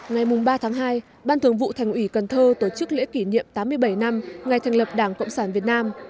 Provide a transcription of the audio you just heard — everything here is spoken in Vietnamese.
ngày ba tháng hai ban thường vụ thành ủy cần thơ tổ chức lễ kỷ niệm tám mươi bảy năm ngày thành lập đảng cộng sản việt nam